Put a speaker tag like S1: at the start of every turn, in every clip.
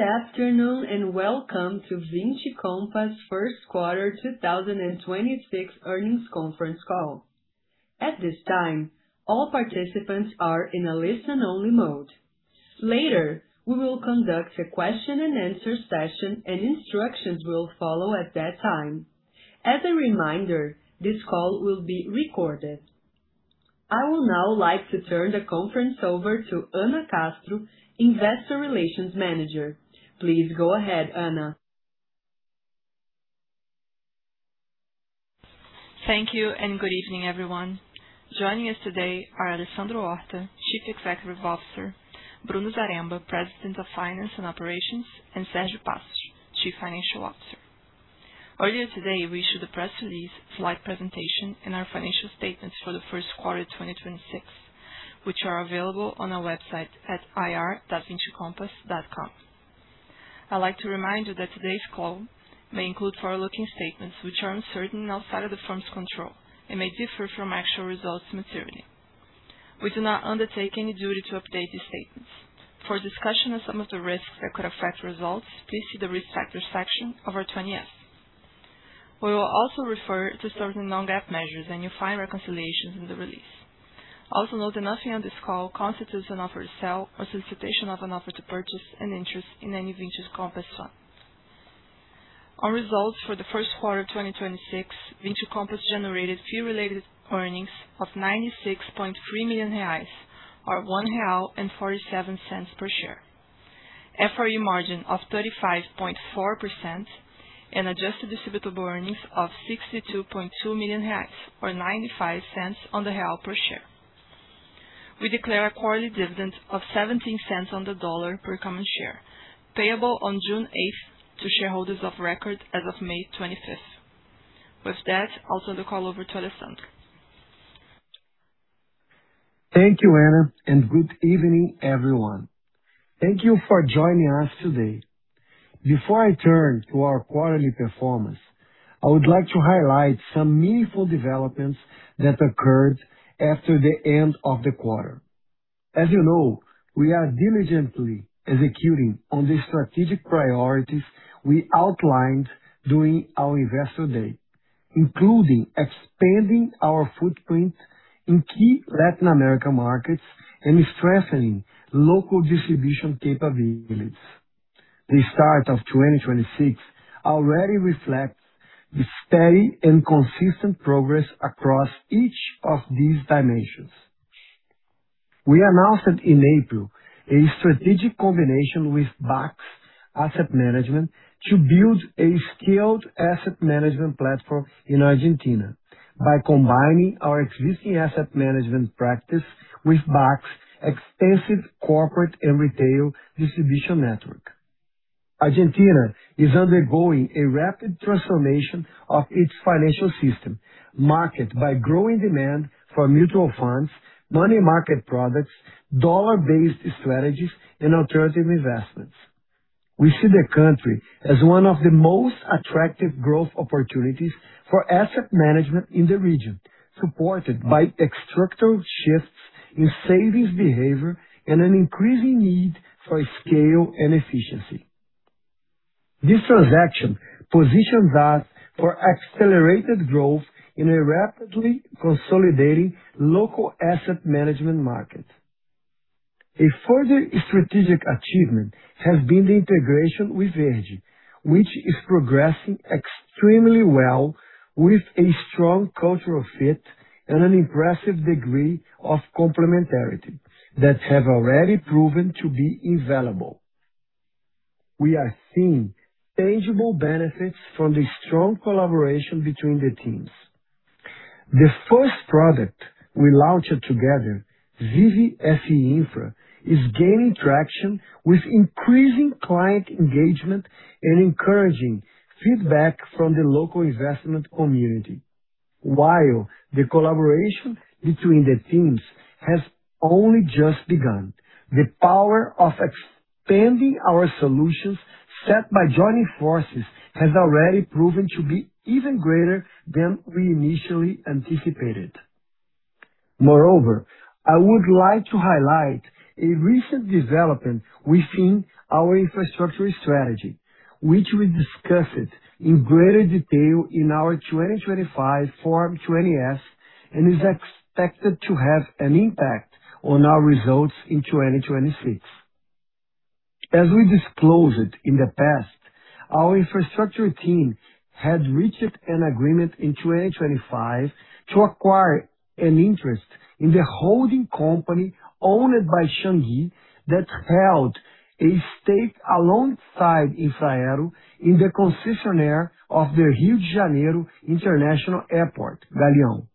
S1: Good afternoon, and welcome to Vinci Compass first quarter 2026 earnings conference call. At this time, all participants are in a listen-only mode. Later, we will conduct a question-and-answer session, and instructions will follow at that time. As a reminder, this call will be recorded. I would now like to turn the conference over to Anna Castro, Investor Relations Manager. Please go ahead, Anna.
S2: Thank you, good evening, everyone. Joining us today are Alessandro Horta, Chief Executive Officer, Bruno Zaremba, President of Finance and Operations, and Sergio Passos, Chief Financial Officer. Earlier today, we issued a press release slide presentation in our financial statements for the first quarter of 2026, which are available on our website at ir.vincicompass.com. I'd like to remind you that today's call may include forward-looking statements which are uncertain and outside of the firm's control and may differ from actual results materially. We do not undertake any duty to update these statements. For a discussion of some of the risks that could affect results, please see the Risk Factors section of our 20-F. We will also refer to certain non-GAAP measures, and you'll find reconciliations in the release. Also note that nothing on this call constitutes an offer to sell or solicitation of an offer to purchase an interest in any Vinci Compass fund. On results for thefirst quarter of 2026, Vinci Compass generated Fee Related Earnings of 96.3 million reais or 1.47 real per share, FRE margin of 35.4%, and adjusted distributable earnings of 62.2 million reais or 0.95 per share. We declare a quarterly dividend of $0.17 per common share, payable on June eighth to shareholders of record as of May 25th. With that, I'll turn the call over to Alessandro.
S3: Thank you, Anna. Good evening, everyone. Thank you for joining us today. Before I turn to our quarterly performance, I would like to highlight some meaningful developments that occurred after the end of the quarter. As you know, we are diligently executing on the strategic priorities we outlined during our Investor Day, including expanding our footprint in key Latin American markets and strengthening local distribution capabilities. The start of 2026 already reflects the steady and consistent progress across each of these dimensions. We announced in April a strategic combination with BACS Asset Management to build a skilled asset management platform in Argentina by combining our existing asset management practice with BACS extensive corporate and retail distribution network. Argentina is undergoing a rapid transformation of its financial system market by growing demand for mutual funds, money market products, dollar-based strategies, and alternative investments. We see the country as one of the most attractive growth opportunities for asset management in the region, supported by structural shifts in savings behavior and an increasing need for scale and efficiency. This transaction positions us for accelerated growth in a rapidly consolidating local asset management market. A further strategic achievement has been the integration with Verde, which is progressing extremely well with a strong cultural fit and an impressive degree of complementarity that have already proven to be invaluable. We are seeing tangible benefits from the strong collaboration between the teams. The first product we launched together, Vinci Verde Infra, is gaining traction with increasing client engagement and encouraging feedback from the local investment community. While the collaboration between the teams has only just begun, the power of expanding our solutions set by joining forces has already proven to be even greater than we initially anticipated. Moreover, I would like to highlight a recent development within our infrastructure strategy, which we discussed in greater detail in our 2025 Form 20-F and is expected to have an impact on our results in 2026. As we disclosed in the past, our infrastructure team had reached an agreement in 2025 to acquire an interest in the holding company owned by Changi that held a stake alongside Infraero in the concessionaire of the Rio de Janeiro International Airport, Galeão.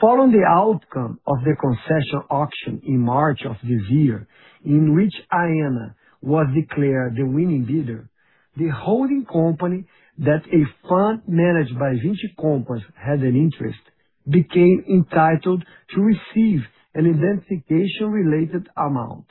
S3: Following the outcome of the concession auction in March of this year, in which Aena was declared the winning bidder, the holding company that a fund managed by Vinci Compass had an interest became entitled to receive an indemnification-related amount.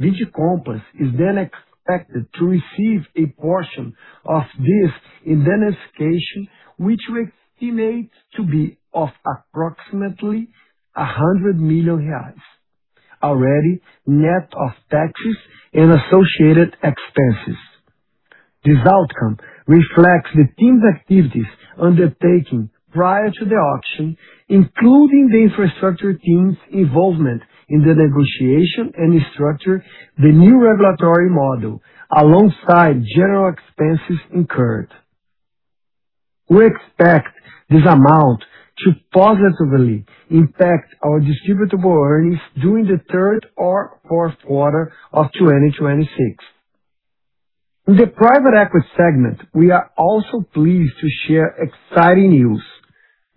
S3: Vinci Compass is expected to receive a portion of this indemnification, which we estimate to be of approximately 100 million reais, already net of taxes and associated expenses. This outcome reflects the team's activities undertaking prior to the auction, including the infrastructure team's involvement in the negotiation and structure the new regulatory model alongside general expenses incurred. We expect this amount to positively impact our distributable earnings during the third or fourth quarter of 2026. In the private equity segment, we are also pleased to share exciting news.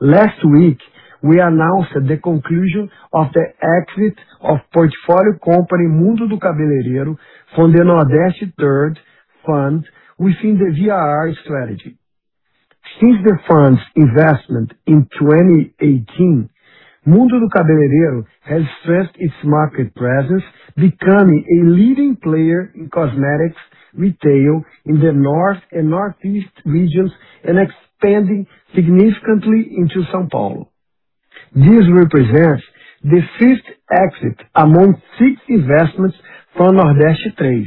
S3: Last week, we announced the conclusion of the exit of portfolio company Mundo do Cabeleireiro from the Nordeste III Fund within the VIR strategy. Since the fund's investment in 2018, Mundo do Cabeleireiro has stressed its market presence, becoming a leading player in cosmetics retail in the north and northeast regions and expanding significantly into São Paulo. This represents the fifth exit among six investments from Nordeste III,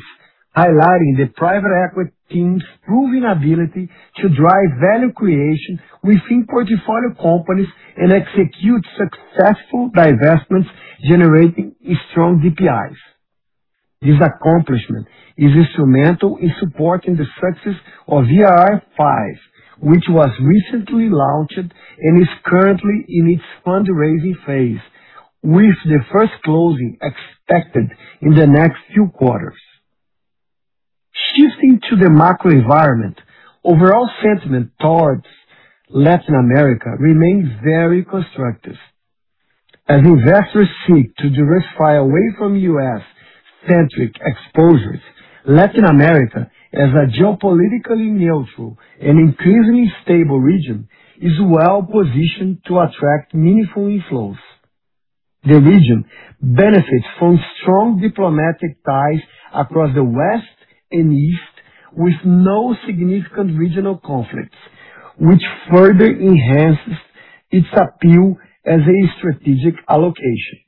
S3: highlighting the private equity team's proven ability to drive value creation within portfolio companies and execute successful divestments, generating strong DPIs. This accomplishment is instrumental in supporting the success of VIR V, which was recently launched and is currently in its fundraising phase, with the first closing expected in the next few quarters. Shifting to the macro environment, overall sentiment towards Latin America remains very constructive. As investors seek to diversify away from U.S.-centric exposures, Latin America, as a geopolitically neutral and increasingly stable region, is well-positioned to attract meaningful inflows. The region benefits from strong diplomatic ties across the West and East with no significant regional conflicts, which further enhances its appeal as a strategic allocation.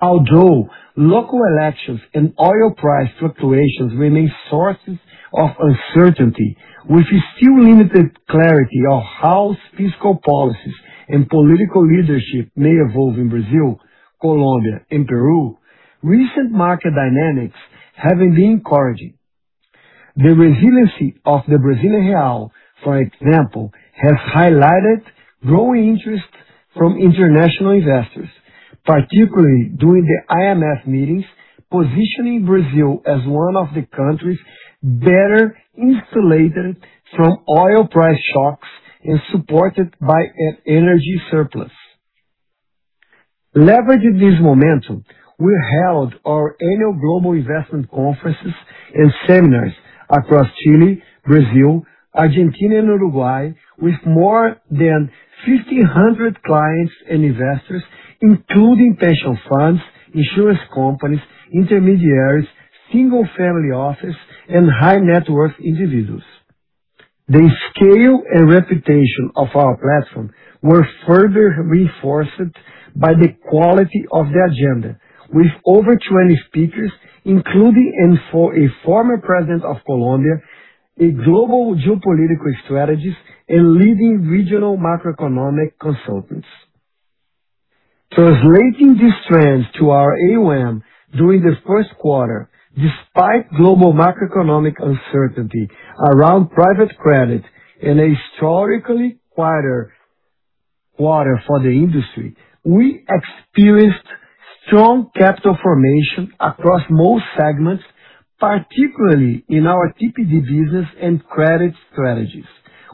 S3: Although local elections and oil price fluctuations remain sources of uncertainty, with still limited clarity on how fiscal policies and political leadership may evolve in Brazil, Colombia, and Peru, recent market dynamics have been encouraging. The resiliency of the Brazilian real, for example, has highlighted growing interest from international investors, particularly during the IMF meetings, positioning Brazil as one of the countries better insulated from oil price shocks and supported by an energy surplus. Leveraging this momentum, we held our annual global investment conferences and seminars across Chile, Brazil, Argentina, and Uruguay with more than 1,500 clients and investors, including pension funds, insurance companies, intermediaries, single-family offices, and high-net-worth individuals. The scale and reputation of our platform were further reinforced by the quality of the agenda, with over 20 speakers, including in for a former president of Colombia, a global geopolitical strategist, and leading regional macroeconomic consultants. Translating these trends to our AUM during the first quarter, despite global macroeconomic uncertainty around private credit and a historically quieter quarter for the industry, we experienced strong capital formation across most segments, particularly in our TPD business and credit strategies,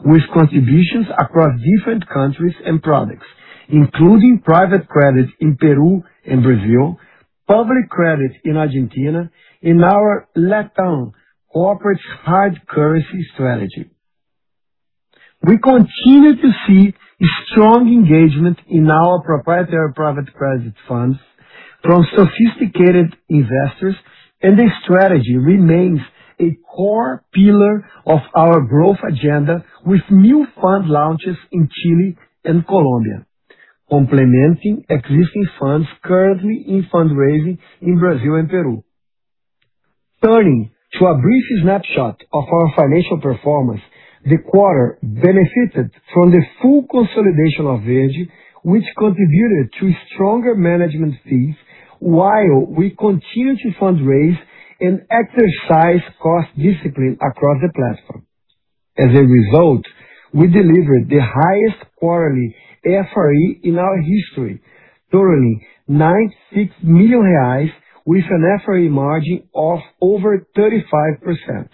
S3: with contributions across different countries and products, including private credit in Peru and Brazil, public credit in Argentina, and our LatAm corporate hard currency strategy. We continue to see strong engagement in our proprietary private credit funds from sophisticated investors, and the strategy remains a core pillar of our growth agenda with new fund launches in Chile and Colombia, complementing existing funds currently in fundraising in Brazil and Peru. Turning to a brief snapshot of our financial performance, the quarter benefited from the full consolidation of Verde, which contributed to stronger management fees while we continue to fundraise and exercise cost discipline across the platform. We delivered the highest quarterly FRE in our history, totaling 96 million reais with an FRE margin of over 35%.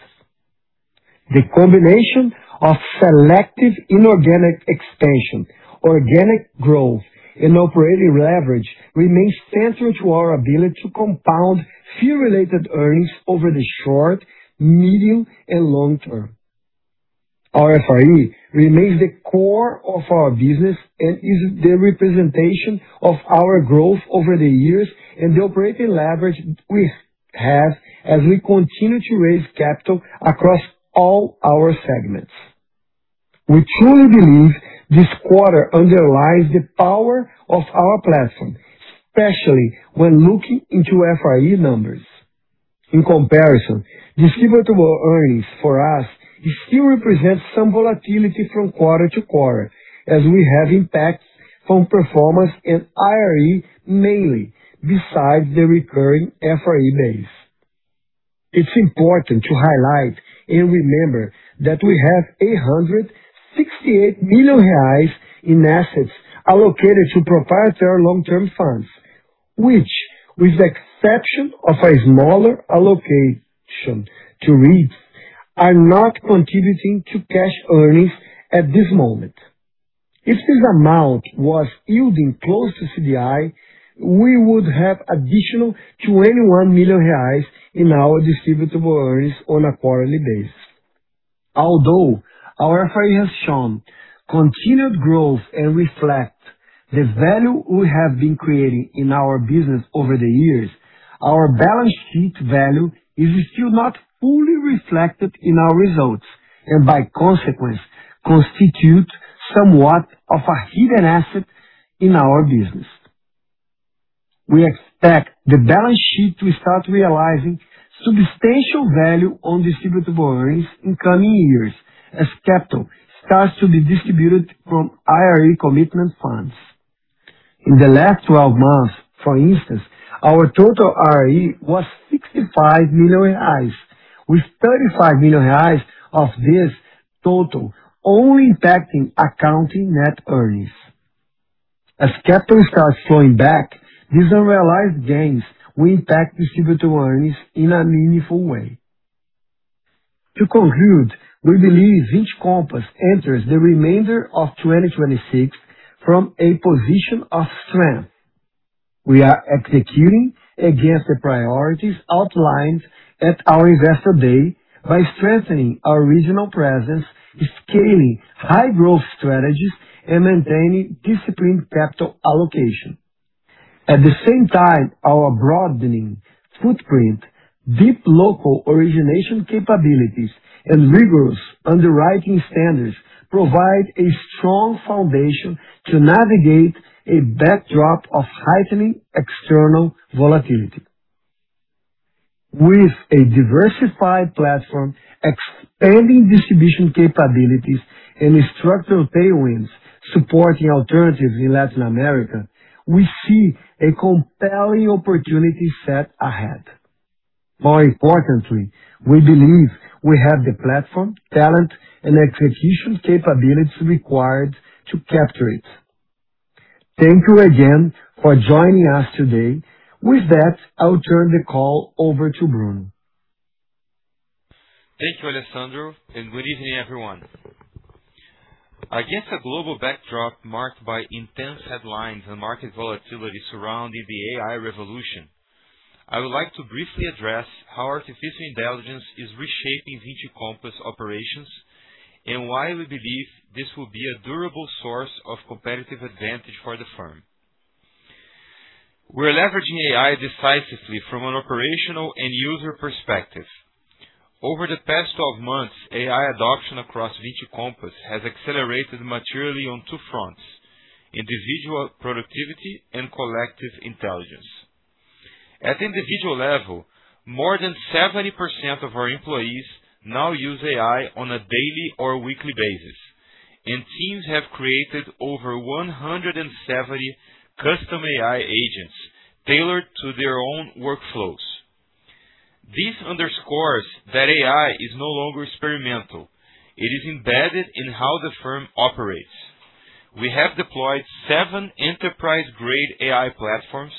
S3: The combination of selective inorganic expansion, organic growth, and operating leverage remains central to our ability to compound Fee Related Earnings over the short, medium, and long-term. Our FRE remains the core of our business and is the representation of our growth over the years and the operating leverage we have as we continue to raise capital across all our segments. We truly believe this quarter underlies the power of our platform, especially when looking into FRE numbers. Distributable earnings for us still represents some volatility from quarter-to-quarter as we have impact from performance and IRE mainly besides the recurring FRE base. It's important to highlight and remember that we have 168 million reais in assets allocated to proprietary long-term funds, which with the exception of a smaller allocation to REITs, are not contributing to cash earnings at this moment. If this amount was yielding close to CDI, we would have additional 21 million reais in our distributable earnings on a quarterly basis. Our FRE has shown continued growth and reflect the value we have been creating in our business over the years, our balance sheet value is still not fully reflected in our results and by consequence, constitute somewhat of a hidden asset in our business. We expect the balance sheet to start realizing substantial value on distributable earnings in coming years as capital starts to be distributed from IRE commitment funds. In the last 12 months, for instance, our total IRE was 65 million reais, with 35 million reais of this total only impacting accounting net earnings. As capital starts flowing back, these unrealized gains will impact distributor earnings in a meaningful way. To conclude, we believe Vinci Compass enters the remainder of 2026 from a position of strength. We are executing against the priorities outlined at our Investor Day by strengthening our regional presence, scaling high growth strategies, and maintaining disciplined capital allocation. At the same time, our broadening footprint, deep local origination capabilities, and rigorous underwriting standards provide a strong foundation to navigate a backdrop of heightening external volatility. With a diversified platform, expanding distribution capabilities and structural tailwinds supporting alternatives in Latin America, we see a compelling opportunity set ahead. More importantly, we believe we have the platform, talent and execution capabilities required to capture it. Thank you again for joining us today. With that, I'll turn the call over to Bruno.
S4: Thank you, Alessandro, and good evening, everyone. Against a global backdrop marked by intense headlines and market volatility surrounding the AI revolution, I would like to briefly address how artificial intelligence is reshaping Vinci Compass operations and why we believe this will be a durable source of competitive advantage for the firm. We're leveraging AI decisively from an operational and user perspective. Over the past 12 months, AI adoption across Vinci Compass has accelerated materially on two fronts, individual productivity and collective intelligence. At individual level, more than 70% of our employees now use AI on a daily or weekly basis. Teams have created over 170 custom AI agents tailored to their own workflows. This underscores that AI is no longer experimental. It is embedded in how the firm operates. We have deployed seven enterprise-grade AI platforms,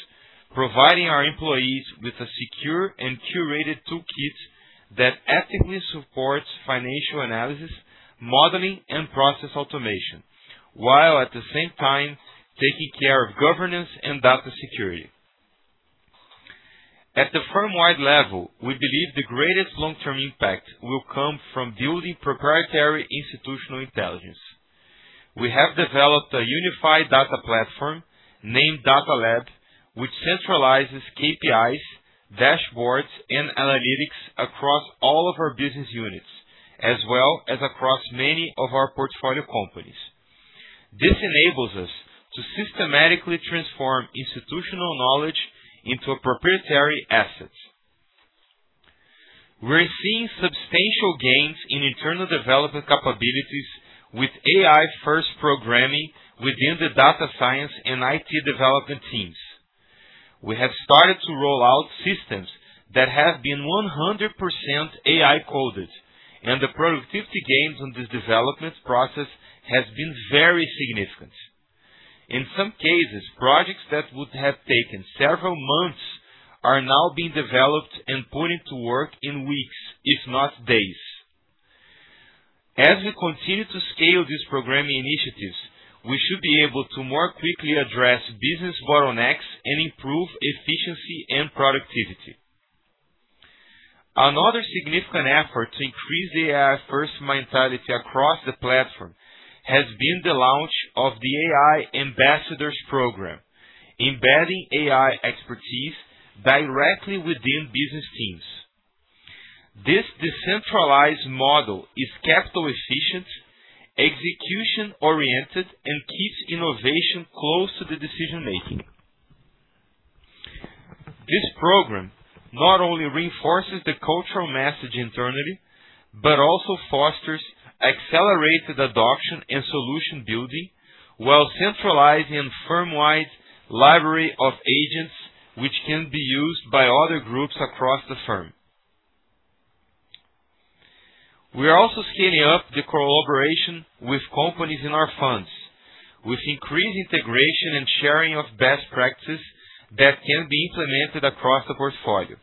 S4: providing our employees with a secure and curated toolkit that ethically supports financial analysis, modeling and process automation, while at the same time taking care of governance and data security. At the firm-wide level, we believe the greatest long-term impact will come from building proprietary institutional intelligence. We have developed a unified data platform named Data Lab, which centralizes KPIs, dashboards and analytics across all of our business units, as well as across many of our portfolio companies. This enables us to systematically transform institutional knowledge into a proprietary asset. We're seeing substantial gains in internal development capabilities with AI first programming within the data science and IT development teams. We have started to roll out systems that have been 100% AI coded, and the productivity gains on this development process has been very significant. In some cases, projects that would have taken several months are now being developed and put into work in weeks, if not days. As we continue to scale these programming initiatives, we should be able to more quickly address business bottlenecks and improve efficiency and productivity. Another significant effort to increase AI first mentality across the platform has been the launch of the AI Ambassadors program, embedding AI expertise directly within business teams. This decentralized model is capital efficient, execution oriented and keeps innovation close to the decision making. This program not only reinforces the cultural message internally, but also fosters accelerated adoption and solution building while centralizing firm-wide library of agents which can be used by other groups across the firm. We are also scaling up the collaboration with companies in our funds with increased integration and sharing of best practices that can be implemented across the portfolio.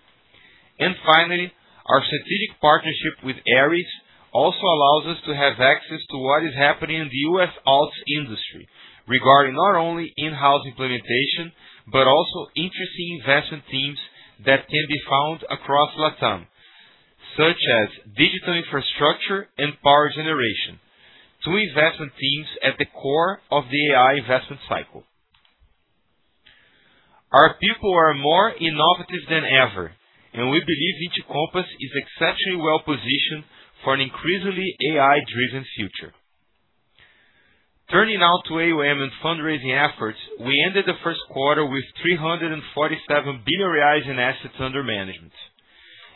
S4: Finally, our strategic partnership with Ares Management also allows us to have access to what is happening in the U.S. alts industry regarding not only in-house implementation, but also interesting investment themes that can be found across Latam, such as digital infrastructure and power generation, two investment themes at the core of the AI investment cycle. Our people are more innovative than ever, we believe Vinci Compass is exceptionally well positioned for an increasingly AI driven future. Turning now to AUM and fundraising efforts. We ended the first quarter with 347 billion reais in assets under management.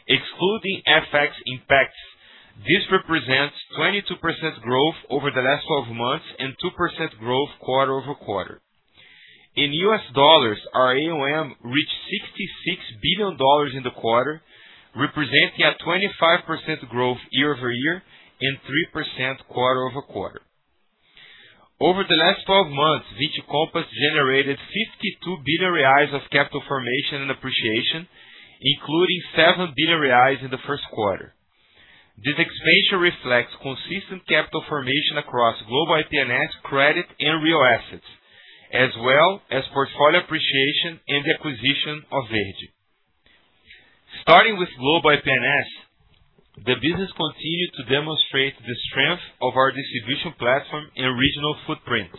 S4: Excluding FX impacts, this represents 22% growth over the last 12 months and 2% growth quarter-over-quarter. In U.S. dollars, our AUM reached $66 billion in the quarter, representing a 25% growth year-over-year and 3% quarter-over-quarter. Over the last 12 months, Vinci Compass generated 52 billion reais of capital formation and appreciation, including 7 billion reais in the first quarter. This expansion reflects consistent capital formation across Global IP&S credit and real assets, as well as portfolio appreciation and the acquisition of Verde. Starting with Global IP&S, the business continued to demonstrate the strength of our distribution platform and regional footprint.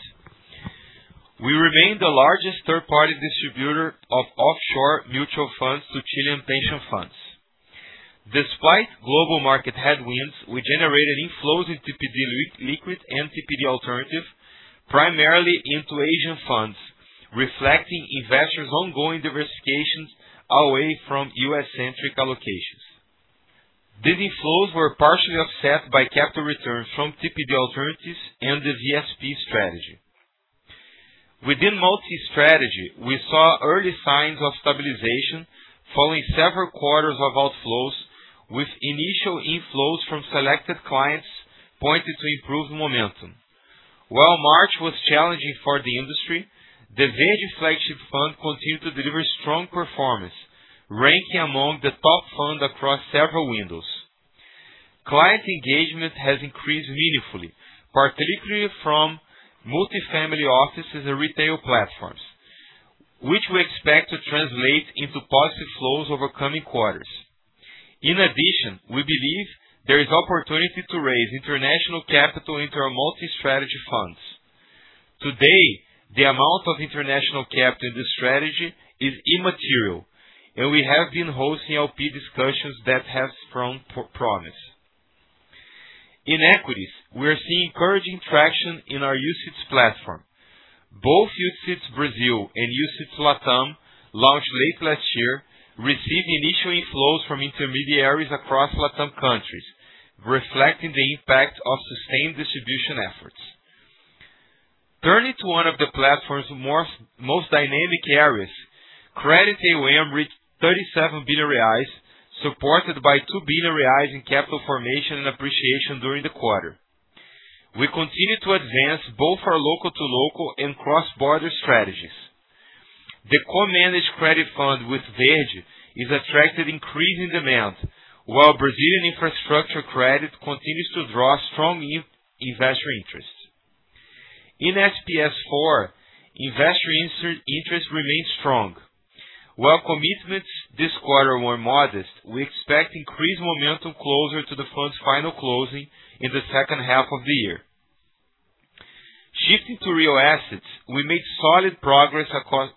S4: We remain the largest third-party distributor of offshore mutual funds to Chilean pension funds. Despite global market headwinds, we generated inflows in TPD Liquid and TPD alternative primarily into Asian funds, reflecting investors ongoing diversifications away from U.S.-centric allocations. These inflows were partially offset by capital returns from TPD alternative and the Vinci SPS strategy. Within multi-strategy, we saw early signs of stabilization following several quarters of outflows, with initial inflows from selected clients pointing to improved momentum. While March was challenging for the industry, the Verde flagship fund continued to deliver strong performance, ranking among the top fund across several windows. Client engagement has increased meaningfully, particularly from multifamily offices and retail platforms, which we expect to translate into positive flows over coming quarters. In addition, we believe there is opportunity to raise international capital into our multi-strategy funds. Today, the amount of international capital in this strategy is immaterial, and we have been hosting LP discussions that have strong pro-promise. In equities, we are seeing encouraging traction in our UCITS platform. Both UCITS Brazil and UCITS Latam launched late last year received initial inflows from intermediaries across Latam countries, reflecting the impact of sustained distribution efforts. Turning to one of the platform's most dynamic areas, credit AUM reached 37 billion reais, supported by 2 billion reais in capital formation and appreciation during the quarter. We continue to advance both our local to local and cross border strategies. The co-managed credit fund with Verde is attracted increasing demand while Brazilian infrastructure credit continues to draw strong investor interest. In SPS IV, investor interest remains strong. While commitments this quarter were modest, we expect increased momentum closer to the fund's final closing in the second half of the year. Shifting to real assets, we made solid progress across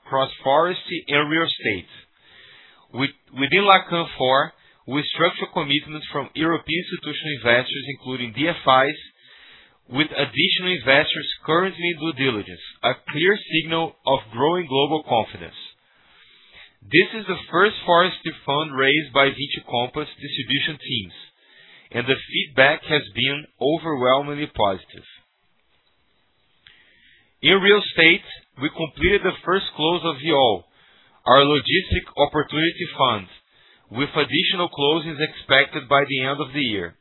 S4: forestry and real estate. Within Lacan IV we structured commitments from European institutional investors, including DFIs, with additional investors currently in due diligence, a clear signal of growing global confidence. This is the first forestry fund raised by Vinci Compass distribution teams and the feedback has been overwhelmingly positive. In real estate, we completed the first close of Yall, our logistic opportunity fund with additional closes expected by the end of the year.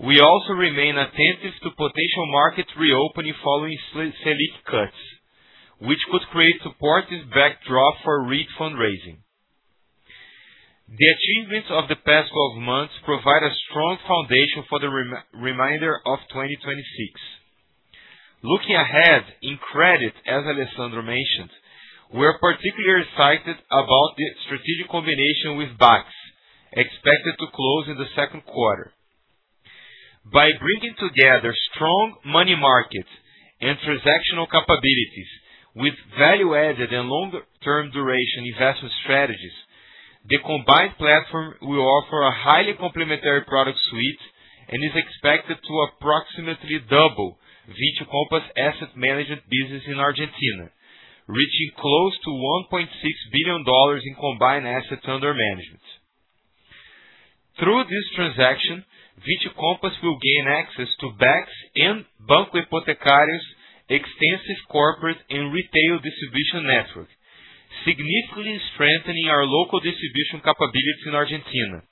S4: We also remain attentive to potential market reopening following Selic cuts which could create supportive backdrop for REIT fundraising. The achievements of the past 12 months provide a strong foundation for the remainder of 2026. Looking ahead in credit, as Alessandro mentioned, we are particularly excited about the strategic combination with BACS expected to close in the second quarter. By bringing together strong money markets and transactional capabilities with value added and longer-term duration investment strategies, the combined platform will offer a highly complementary product suite and is expected to approximately double Vinci Compass asset management business in Argentina, reaching close to $1.6 billion in combined assets under management. Through this transaction, Vinci Compass will gain access to banks and Banco Hipotecario's extensive corporate and retail distribution network, significantly strengthening our local distribution capabilities in Argentina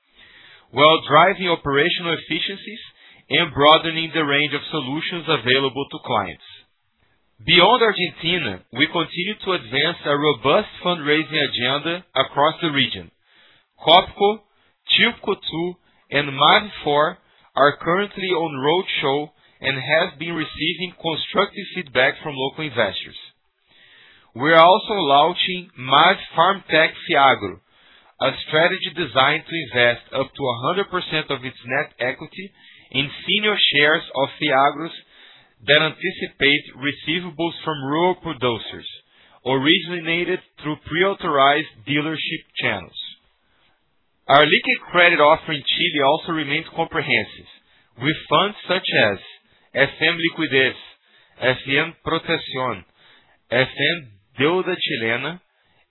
S4: while driving operational efficiencies and broadening the range of solutions available to clients. Beyond Argentina, we continue to advance our robust fundraising agenda across the region. COPCO, CHILPCO II, and MAV IV are currently on roadshow and have been receiving constructive feedback from local investors. We are also launching MAV Farm Tech Fiagro, a strategy designed to invest up to 100% of its net equity in senior shares of Fiagros that anticipate receivables from rural producers originated through pre-authorized dealership channels. Our liquid credit offer in Chile also remains comprehensive with funds such as SM Liquidez, SM Protección, SM Deuda Chilena,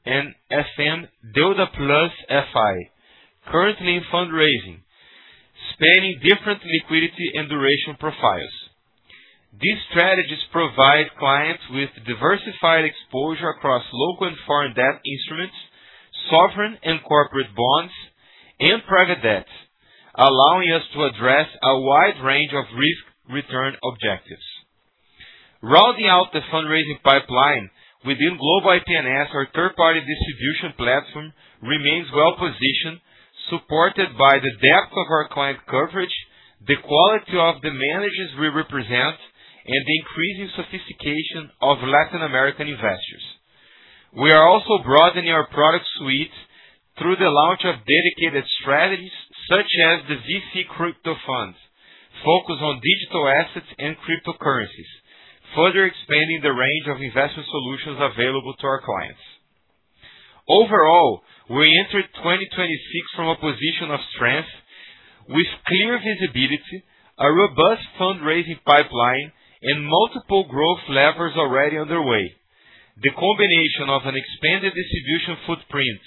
S4: and SM Deuda Plus FI, currently in fundraising, spanning different liquidity and duration profiles. These strategies provide clients with diversified exposure across local and foreign debt instruments, sovereign and corporate bonds, and private debt, allowing us to address a wide range of risk return objectives. Rounding out the fundraising pipeline within Global IP&S, our third-party distribution platform remains well-positioned, supported by the depth of our client coverage, the quality of the managers we represent, and the increasing sophistication of Latin American investors. We are also broadening our product suite through the launch of dedicated strategies such as the VC crypto funds focused on digital assets and cryptocurrencies, further expanding the range of investment solutions available to our clients. Overall, we enter 2026 from a position of strength with clear visibility, a robust fundraising pipeline, and multiple growth levers already underway. The combination of an expanded distribution footprint,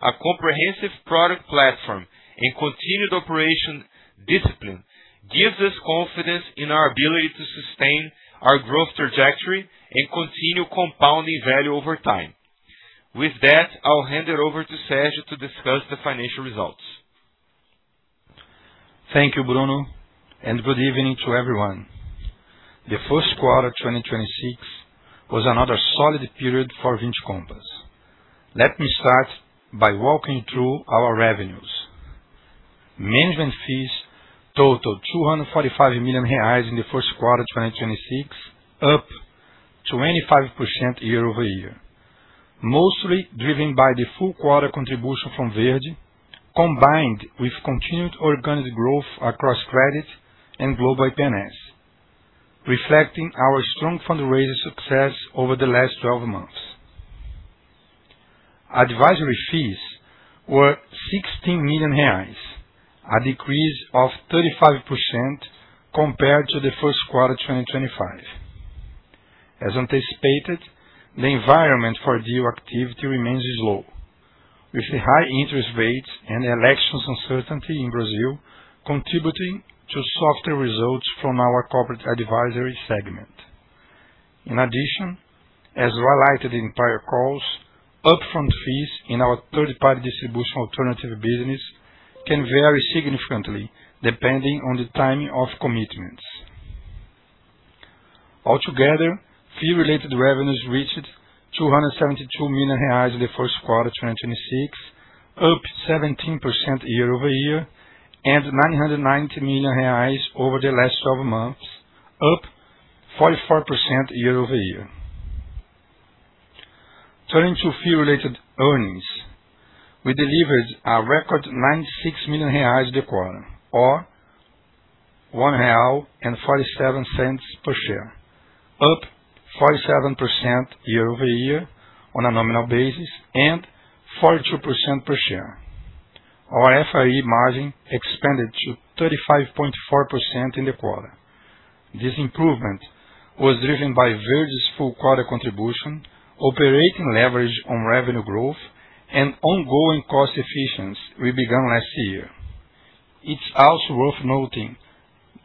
S4: a comprehensive product platform, and continued operation discipline gives us confidence in our ability to sustain our growth trajectory and continue compounding value over time. With that, I'll hand it over to Sergio to discuss the financial results.
S5: Thank you, Bruno, and good evening to everyone. The first quarter, 2026 was another solid period for Vinci Compass. Let me start by walking through our revenues. Management fees totaled 245 million reais in the first quarter, 2026, up 25% year-over-year. Mostly driven by the full quarter contribution from Verde, combined with continued organic growth across credit and Global IP&S, reflecting our strong fundraising success over the last 12 months. Advisory fees were 16 million reais, a decrease of 35% compared to the first quarter, 2025. As anticipated, the environment for deal activity remains low, with the high interest rates and elections uncertainty in Brazil contributing to softer results from our corporate advisory segment. In addition, as highlighted in prior calls, upfront fees in our TPD alternative business can vary significantly depending on the timing of commitments. Altogether, fee-related revenues reached 272 million reais in the first quarter 2026, up 17% year-over-year, and 990 million reais over the last 12 months, up 44% year-over-year. Turning to Fee Related Earnings. We delivered a record 96 million reais the quarter, or 1.47 real per share, up 47% year-over-year on a nominal basis and 42% per share. Our FRE margin expanded to 35.4% in the quarter. This improvement was driven by Verde's full quarter contribution, operating leverage on revenue growth, and ongoing cost efficiency we began last year. It's also worth noting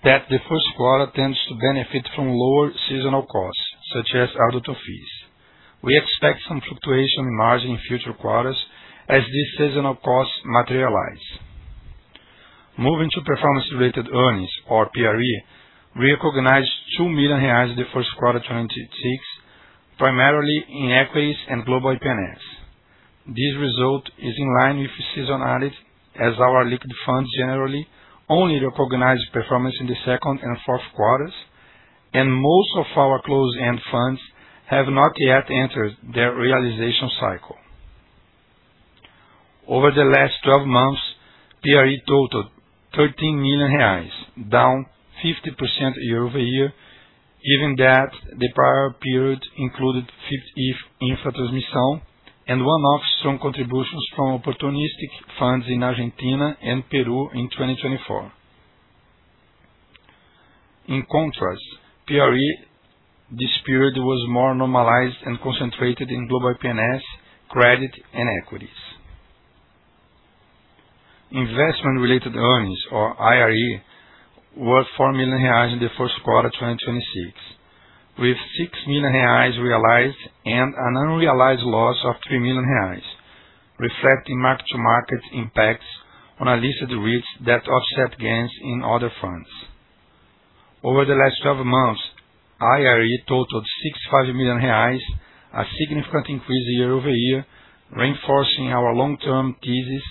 S5: that the first quarter tends to benefit from lower seasonal costs, such as auditor fees. We expect some fluctuation in margin in future quarters as these seasonal costs materialize. Moving to performance-related earnings or PRE, we recognized 2 million reais in the first quarter 2026, primarily in equities and Global IP&S. This result is in line with seasonality as our liquid funds generally only recognize performance in the second and fourth quarters, and most of our close end funds have not yet entered their realization cycle. Over the last 12 months, PRE totaled 13 million reais, down 50% year-over-year, given that the prior period included 50 Vinci Infra Transmissão and one-off strong contributions from opportunistic funds in Argentina and Peru in 2024. In contrast, PRE this period was more normalized and concentrated in Global IP&S, credit and equities. Investment-related earnings or IRE was 4 million reais in the first quarter 2026, with 6 million reais realized and an unrealized loss of 3 million reais, reflecting mark-to-market impacts on unlisted REITs that offset gains in other funds. Over the last 12 months, IRE totaled 65 million reais, a significant increase year-over-year, reinforcing our long-term thesis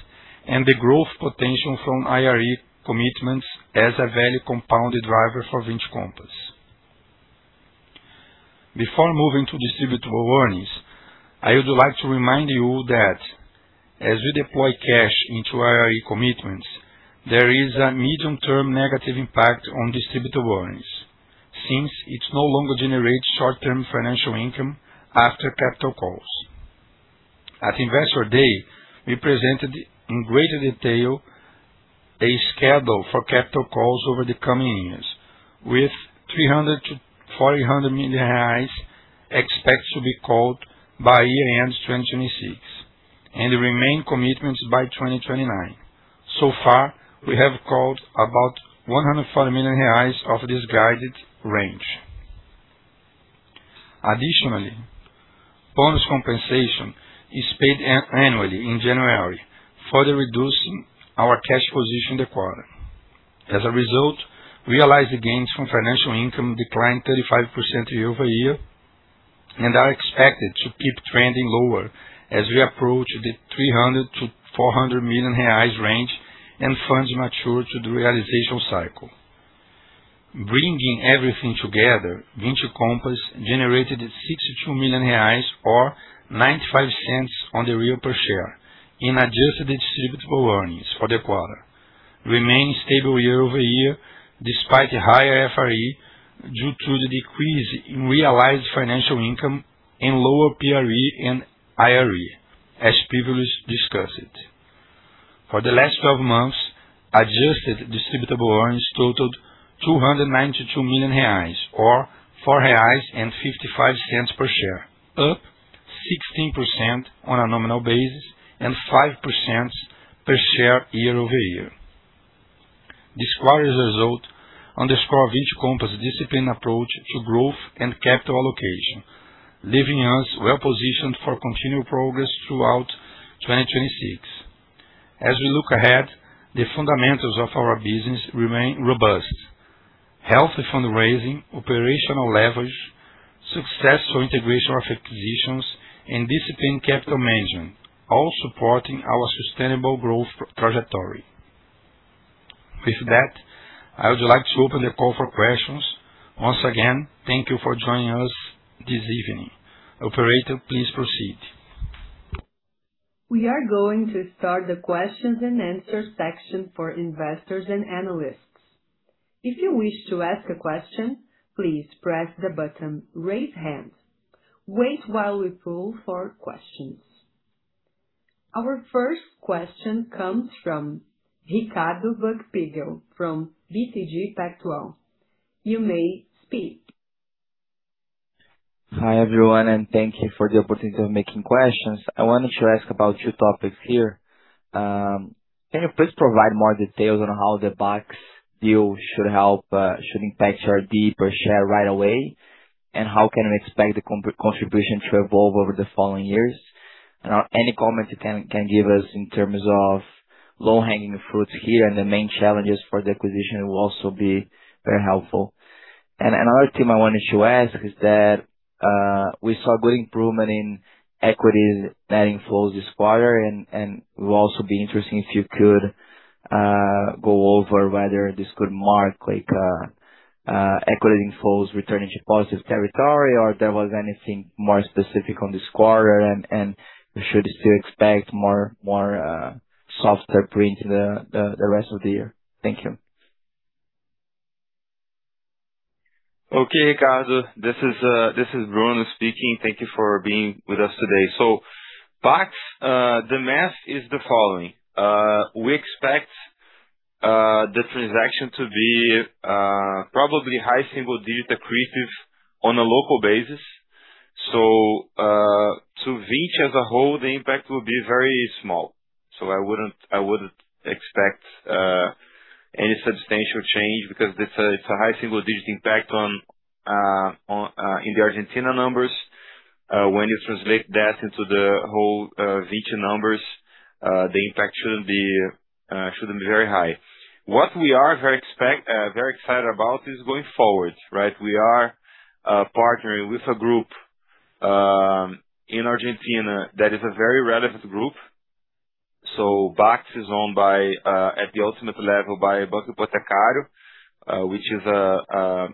S5: and the growth potential from IRE commitments as a value compounded driver for Vinci Compass. Before moving to distributable earnings, I would like to remind you that as we deploy cash into IRE commitments, there is a medium-term negative impact on distributable earnings since it no longer generates short-term financial income after capital calls. At Investor Day, we presented in greater detail a schedule for capital calls over the coming years, with 300 million-400 million reais expected to be called by year-end 2026 and the remaining commitments by 2029. So far, we have called about 140 million reais of this guided range. Additionally, bonus compensation is paid annually in January, further reducing our cash position in the quarter. As a result, realized gains from financial income declined 35% year-over-year and are expected to keep trending lower as we approach the 300 million-400 million reais range and funds mature to the realization cycle. Bringing everything together, Vinci Compass generated 62 million reais or 0.95 per share in adjusted distributable earnings for the quarter. Remain stable year-over-year despite higher FRE due to the decrease in realized financial income and lower PRE and IRE, as previously discussed. For the last 12 months, adjusted distributable earnings totaled 292 million reais or 4.55 reais per share, up 16% on a nominal basis and 5% per share year-over-year. This quarter's result underscore Vinci Compass' discipline approach to growth and capital allocation, leaving us well-positioned for continued progress throughout 2026. As we look ahead, the fundamentals of our business remain robust. Healthy fundraising, operational leverage, successful integration of acquisitions and disciplined capital management, all supporting our sustainable growth trajectory. With that, I would like to open the call for questions. Once again, thank you for joining us this evening. Operator, please proceed.
S1: We are going to start the questions and answers section for investors and analysts. If you wish to ask a question, please press the button, raise hand. Wait while we pull for questions. Our first question comes from Ricardo Buchpiguel from BTG Pactual. You may speak.
S6: Hi, everyone, thank you for the opportunity of making questions. I wanted to ask about two topics here. Can you please provide more details on how the BACS deal should help, should impact your DPI per share right away? How can we expect the contribution to evolve over the following years? Any comment you can give us in terms of low-hanging fruits here and the main challenges for the acquisition will also be very helpful. Another thing I wanted to ask is that we saw good improvement in equity net inflows this quarter. It will also be interesting if you could go over whether this could mark like equity inflows returning to positive territory or if there was anything more specific on this quarter and we should still expect more softer print the rest of the year? Thank you.
S4: Okay, Ricardo. This is Bruno speaking. Thank you for being with us today. BACS, the math is the following. We expect the transaction to be probably high single-digit accretive on a local basis. To Vinci as a whole, the impact will be very small. I wouldn't, I wouldn't expect any substantial change because it's a, it's a high single-digit impact on in the Argentina numbers. When you translate that into the whole Vinci numbers, the impact shouldn't be very high. What we are very excited about is going forward, right? We are partnering with a group in Argentina that is a very relevant group. BACS is owned by, at the ultimate level by Banco Hipotecario, which is a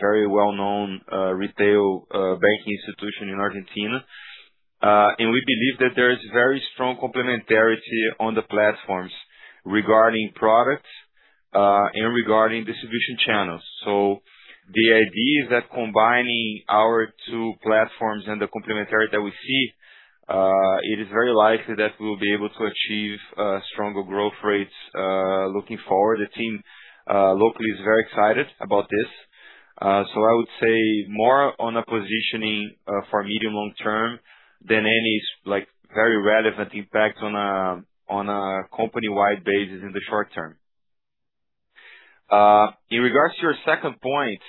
S4: very well-known retail banking institution in Argentina. And we believe that there is very strong complementarity on the platforms regarding products, and regarding distribution channels. The idea is that combining our two platforms and the complementarity that we see, it is very likely that we'll be able to achieve stronger growth rates looking forward. The team locally is very excited about this. I would say more on a positioning for medium long-term than any very relevant impact on a company-wide basis in the short-term. In regards to your second point,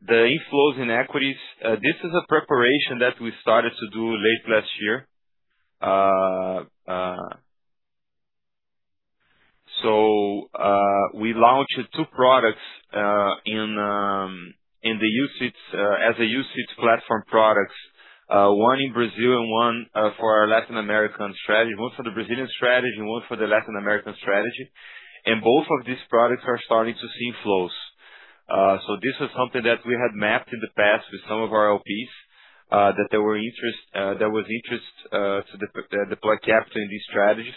S4: the inflows in equities, this is a preparation that we started to do late last year. We launched two products in the UCITS, as a UCITS platform products, one in Brazil and one for our Latin American strategy. One for the Brazilian strategy and one for the Latin American strategy. Both of these products are starting to see inflows. This is something that we had mapped in the past with some of our LPs, that there were interest, there was interest to deploy capital in these strategies.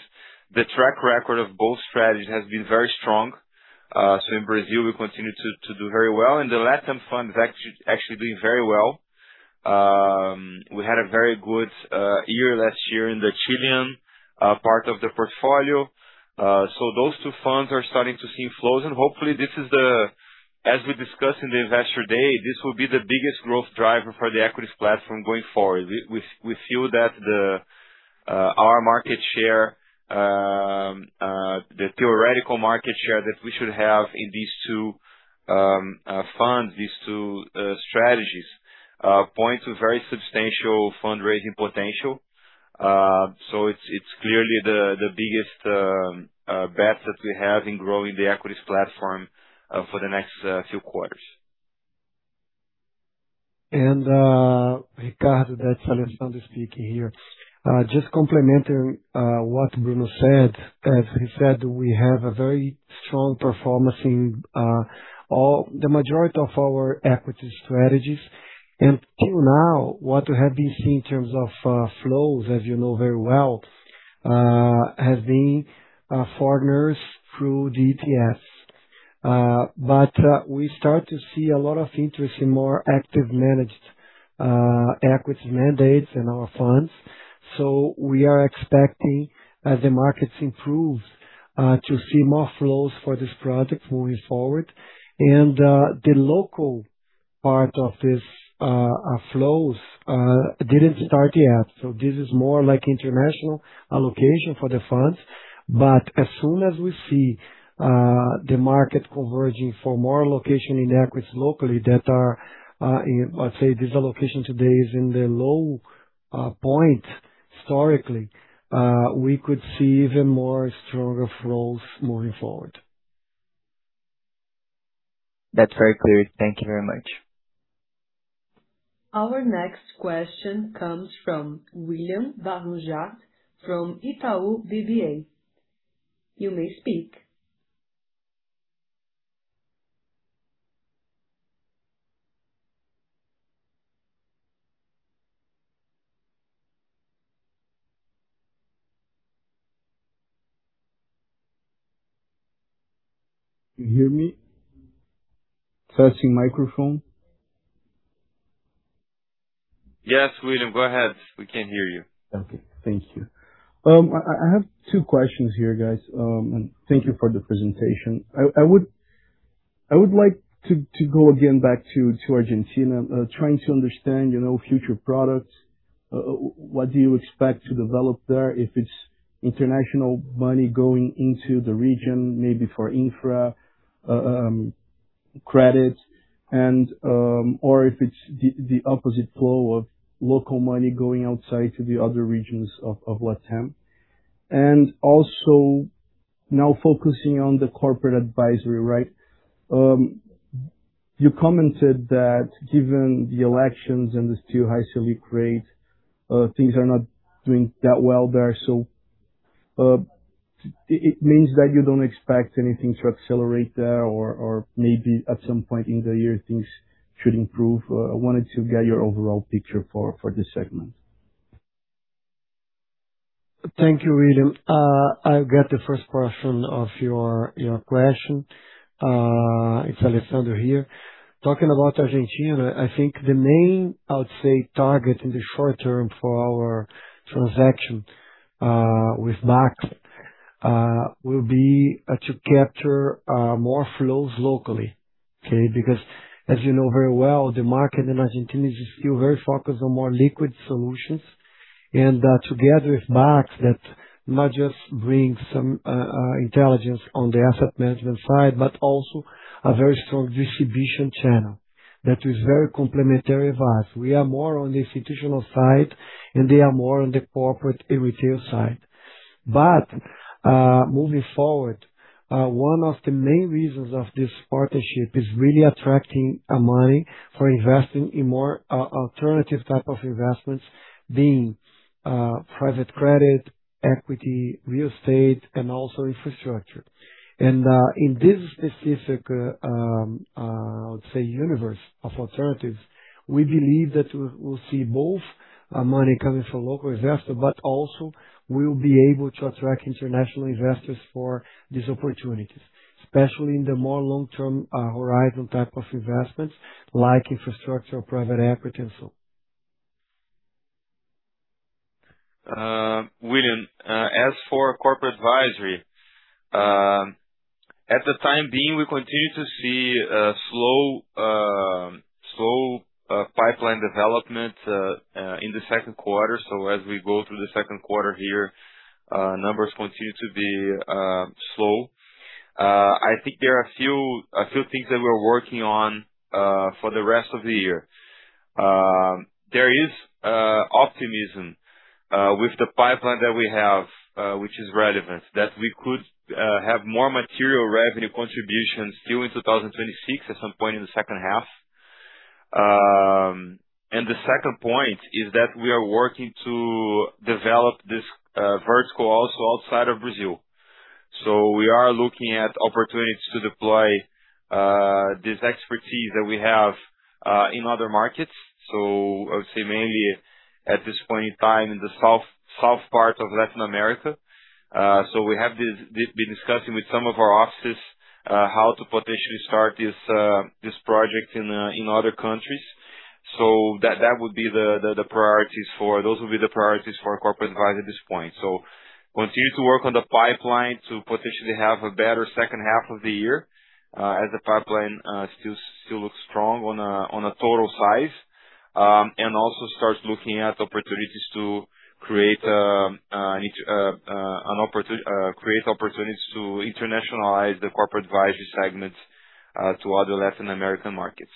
S4: The track record of both strategies has been very strong. In Brazil, we continue to do very well and the LatAm fund is actually doing very well. We had a very good year last year in the Chilean part of the portfolio. Those two funds are starting to see inflows. Hopefully this is the, as we discussed in the investor day, this will be the biggest growth driver for the equities platform going forward. We feel that the our market share, the theoretical market share that we should have in these two funds, these two strategies, point to very substantial fundraising potential. It's clearly the biggest bet that we have in growing the equities platform for the next few quarters.
S3: Ricardo Buchpiguel, that's Alessandro Horta speaking here. Just complementing what Bruno Zaremba said. As he said, we have a very strong performance in all the majority of our equity strategies. Till now, what we have been seeing in terms of flows, as you know very well, has been foreigners through ETFs. We start to see a lot of interest in more active managed equity mandates in our funds. We are expecting as the markets improve to see more flows for this product moving forward. The local part of this flows didn't start yet, this is more like international allocation for the funds. As soon as we see the market converging for more allocation in equities locally that are in, let's say this allocation today is in the low point historically, we could see even more stronger flows moving forward.
S6: That's very clear. Thank you very much.
S1: Our next question comes from William Barranjard from Itaú BBA. You may speak.
S7: Can you hear me? Testing microphone.
S4: Yes, William, go ahead. We can hear you.
S7: Thank you. I have two questions here, guys. Thank you for the presentation. I would like to go again back to Argentina, trying to understand, you know, future products. What do you expect to develop there if it's international money going into the region, maybe for infra, credit and, or if it's the opposite flow of local money going outside to the other regions of LatAm. Also now focusing on the corporate advisory, right? You commented that given the elections and the still high Selic rate, things are not doing that well there. It means that you don't expect anything to accelerate there or maybe at some point in the year things should improve. I wanted to get your overall picture for this segment.
S3: Thank you, William. I'll get the first question of your question. it's Alessandro here. Talking about Argentina, I think the main, I would say, target in the short-term for our transaction with BACS will be to capture more flows locally. Okay? As you know very well, the market in Argentina is just still very focused on more liquid solutions. Together with BACS that not just brings some intelligence on the asset management side, but also a very strong distribution channel that is very complementary of us. We are more on the institutional side, and they are more on the corporate and retail side. Moving forward, one of the main reasons of this partnership is really attracting money for investing in more alternative type of investments being private credit, equity, real estate, and also infrastructure. In this specific, I would say universe of alternatives, we believe that we'll see both money coming from local investor, but also we'll be able to attract international investors for these opportunities, especially in the more long-term horizon type of investments like infrastructure or private equity and so on.
S4: William, as for corporate advisory, at the time being, we continue to see a slow pipeline development in the second quarter. As we go through the second quarter here, numbers continue to be slow. I think there are a few things that we're working on for the rest of the year. There is optimism with the pipeline that we have, which is relevant, that we could have more material revenue contributions still in 2026 at some point in the second half. The second point is that we are working to develop this vertical also outside of Brazil. We are looking at opportunities to deploy this expertise that we have in other markets. I would say mainly at this point in time, in the south part of Latin America. We have been discussing with some of our offices, how to potentially start this project in other countries. Those will be the priorities for our corporate advisory at this point. Continue to work on the pipeline to potentially have a better second half of the year, as the pipeline still looks strong on a total size. Also start looking at opportunities to create opportunities to internationalize the corporate advisory segments to other Latin American markets.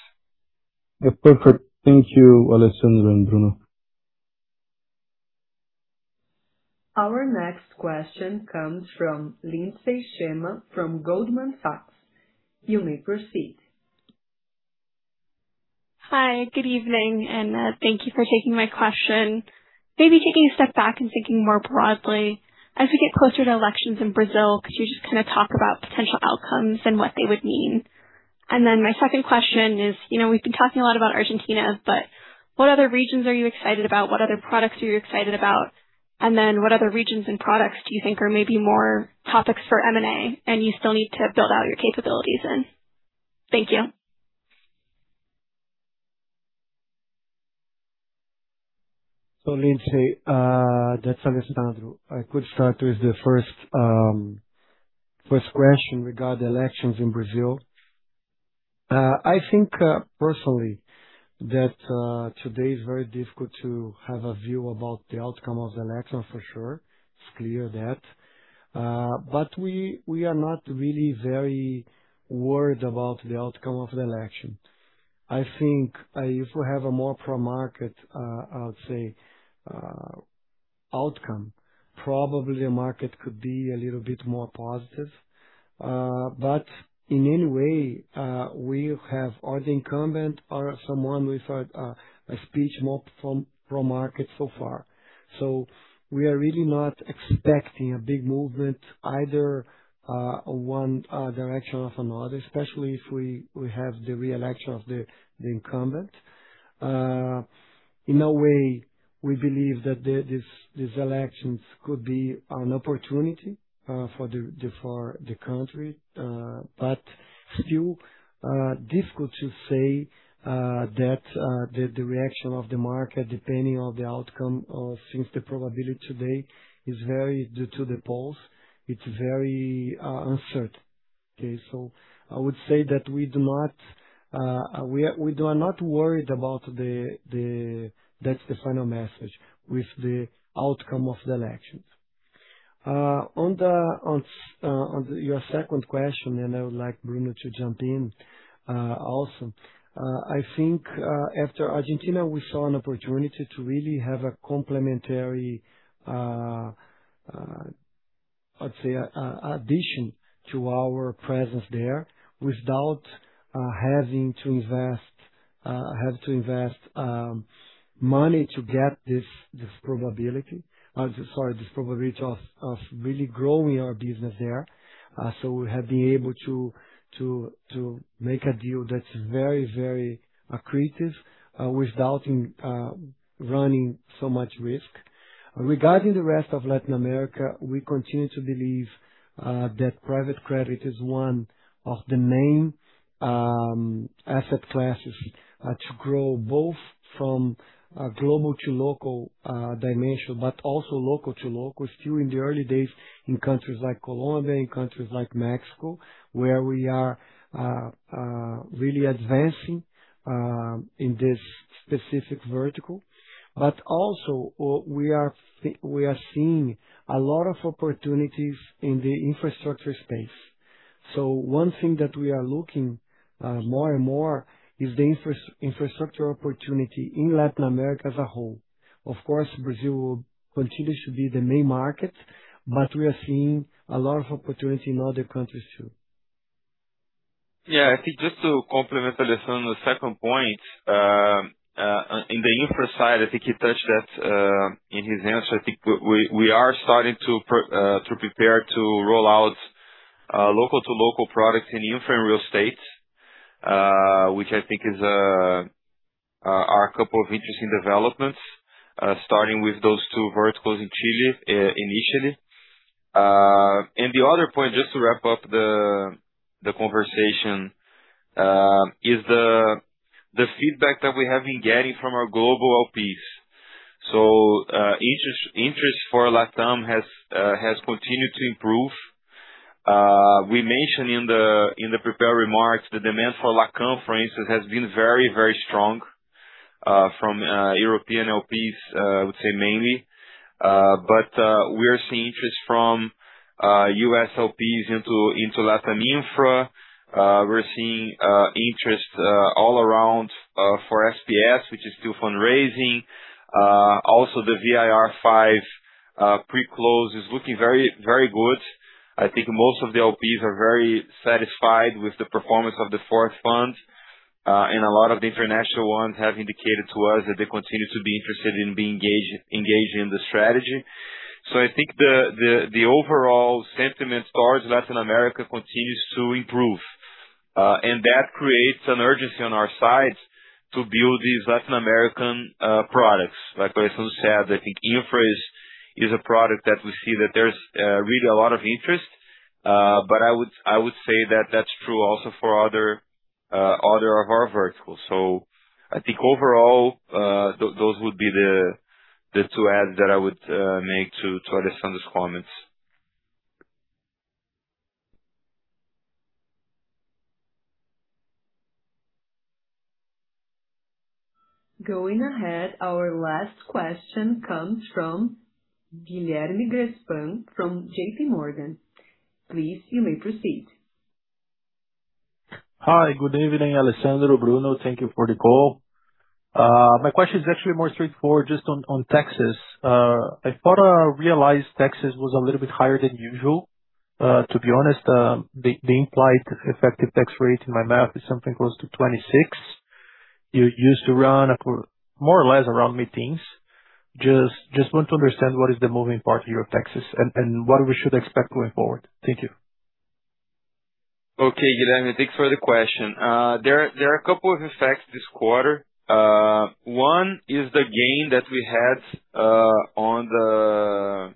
S7: Perfect. Thank you, Alessandro and Bruno.
S1: Our next question comes from Lindsey Marie Shema from Goldman Sachs. You may proceed.
S8: Hi, good evening, and thank you for taking my question. Maybe taking a step back and thinking more broadly, as we get closer to elections in Brazil, could you just kind of talk about potential outcomes and what they would mean? Then my second question is, you know, we've been talking a lot about Argentina, but what other regions are you excited about? What other products are you excited about? Then what other regions and products do you think are maybe more topics for M&A, and you still need to build out your capabilities in? Thank you.
S3: Lindsey, that's Alessandro. I could start with the first question regarding the elections in Brazil. I think personally that today is very difficult to have a view about the outcome of the election for sure. It's clear that. We are not really very worried about the outcome of the election. I think if we have a more pro-market, I would say, outcome, probably the market could be a little bit more positive. In any way, we have or the incumbent or someone with a speech more from pro-market so far. We are really not expecting a big movement either, one direction or another, especially if we have the re-election of the incumbent. In a way, we believe that these elections could be an opportunity for the country, but still difficult to say that the reaction of the market, depending on the outcome, since the probability today is very due to the polls, it's very uncertain. I would say that we are not worried about That's the final message with the outcome of the elections. On your second question, and I would like Bruno to jump in also. I think after Argentina, we saw an opportunity to really have a complementary, let's say a addition to our presence there without having to invest money to get this probability. Sorry, this probability of really growing our business there. We have been able to make a deal that's very, very accretive, without in running so much risk. Regarding the rest of Latin America, we continue to believe that private credit is one of the main asset classes to grow both from a global to local dimension, but also local to local still in the early days in countries like Colombia, in countries like Mexico, where we are really advancing in this specific vertical. Also, we are seeing a lot of opportunities in the infrastructure space. One thing that we are looking more and more is the infrastructure opportunity in Latin America as a whole. Of course, Brazil will continue to be the main market, we are seeing a lot of opportunity in other countries too.
S4: I think just to complement Alessandro on the second point, in the infra side, I think he touched that in his answer. I think we are starting to prepare to roll out local-to-local products in infra and real estate, which I think are a couple of interesting developments, starting with those two verticals in Chile initially. The other point, just to wrap up the conversation, is the feedback that we have been getting from our global LPs. Interest for LatAm has continued to improve. We mentioned in the prepared remarks the demand for LatAm, for instance, has been very strong from European LPs, I would say mainly. We are seeing interest from U.S. LPs into LatAm Infra. We're seeing interest all around for SPS, which is still fundraising. Also the VIR V pre-close is looking very good. I think most of the LPs are very satisfied with the performance of the fourth fund. A lot of the international ones have indicated to us that they continue to be interested in being engaged in the strategy. I think the overall sentiment towards Latin America continues to improve. That creates an urgency on our side to build these Latin American products. Like Alessandro said, I think infra is a product that we see that there's really a lot of interest. I would say that that's true also for other of our verticals. I think overall, those would be the two adds that I would make to Alessandro's comments.
S1: Going ahead, our last question comes from Guilherme Grespan from JPMorgan. Please, you may proceed.
S9: Hi, good evening, Alessandro, Bruno. Thank you for the call. My question is actually more straightforward just on taxes. I thought or realized taxes was a little bit higher than usual. To be honest, the implied effective tax rate in my math is something close to 26. You used to run more or less around mid-teens%. Just want to understand what is the moving part of your taxes and what we should expect going forward. Thank you.
S4: Okay, Guilherme, thanks for the question. There are a couple of effects this quarter. One is the gain that we had on the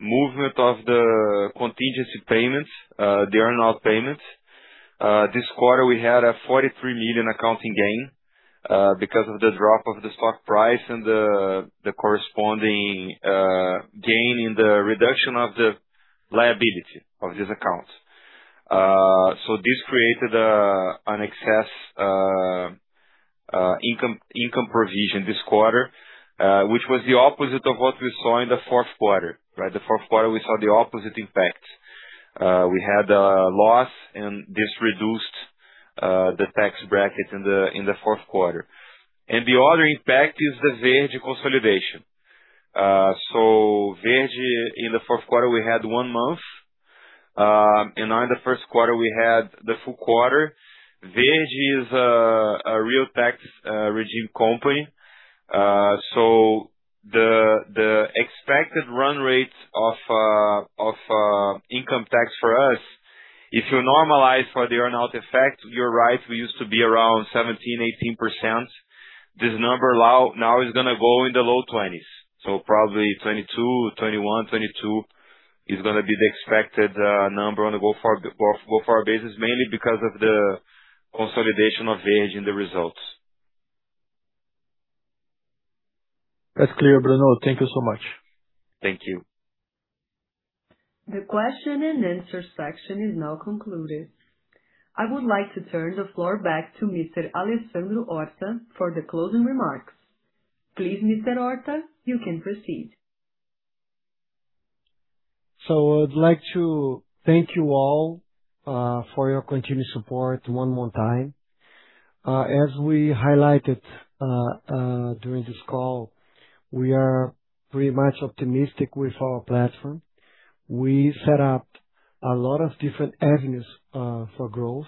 S4: movement of the contingency payments, the earn-out payments. This quarter we had a 43 million accounting gain because of the drop of the stock price and the corresponding gain in the reduction of the liability of these accounts. This created an excess income provision this quarter, which was the opposite of what we saw in the fourth quarter, right? The fourth quarter, we saw the opposite impact. We had a loss and this reduced the tax bracket in the fourth quarter. The other impact is the Verde consolidation. Verde in the fourth quarter, we had one month, and now in the first quarter we had the full quarter. Verde is a real tax regime company. The expected run rate of income tax for us, if you normalize for the earn-out effect, you're right, we used to be around 17%-18%. This number now is gonna go in the low 20s. Probably 22%, 21%, 22% is gonna be the expected number on a go forward basis, mainly because of the consolidation of Verde in the results.
S9: That's clear, Bruno. Thank you so much.
S4: Thank you.
S1: The question-and-answer section is now concluded. I would like to turn the floor back to Mr. Alessandro Horta for the closing remarks. Please, Mr. Horta, you can proceed.
S3: I'd like to thank you all for your continued support one more time. As we highlighted during this call, we are pretty much optimistic with our platform. We set up a lot of different avenues for growth.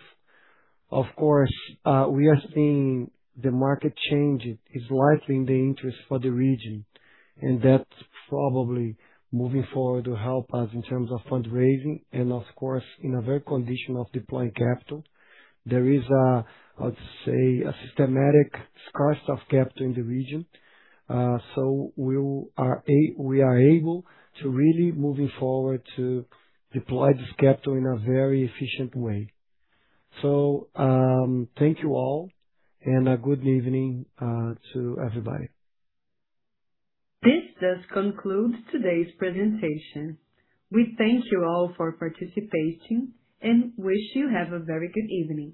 S3: Of course, we are seeing the market changing. It's likely in the interest for the region, and that's probably moving forward to help us in terms of fundraising and of course, in a very condition of deploying capital. There is a, I would say, a systematic scarce of capital in the region. We are able to really moving forward to deploy this capital in a very efficient way. Thank you all, and a good evening to everybody.
S1: This does conclude today's presentation. We thank you all for participating and wish you have a very good evening.